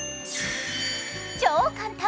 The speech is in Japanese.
超簡単！